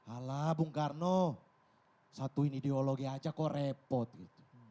ala bung karno satuin ideologi aja kok repot gitu